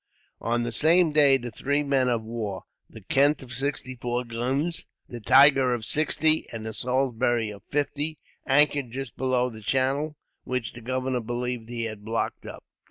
On the same day the three men of war; the Kent of sixty four guns, the Tiger of sixty, and the Salisbury of fifty, anchored just below the channel, which the governor believed he had blocked up.